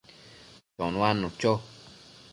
chonuadnu cho